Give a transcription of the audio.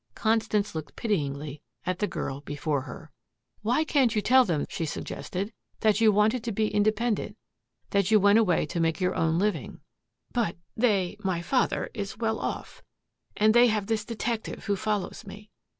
Constance looked pityingly at the girl before her. "Why can't you tell them," she suggested, "that you wanted to be independent, that you went away to make your own living?" "But they my father is well off. And they have this detective who follows me.